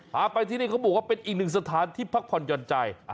พาไปที่นี่เขาบอกว่าเป็นอีกหนึ่งสถานที่พักผ่อนหย่อนใจ